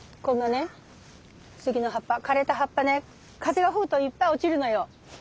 こんなね杉の葉っぱ枯れた葉っぱね風が吹くといっぱい落ちるのよ。